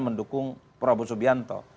mendukung prabowo subianto